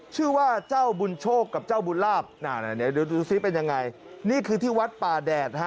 ชื่อว่าเจ้าบุญโชคกับเจ้าบุญลาภนี่คือที่วัดป่าแดด